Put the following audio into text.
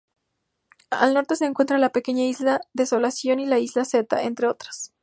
Al norte se encuentra la pequeña isla Desolación y las islas Zeta, entre otras.